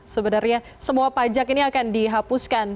sebenarnya semua pajak ini akan dihapuskan